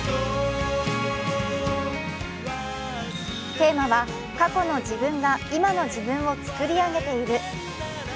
テーマは、過去の自分が今の自分を作り上げている。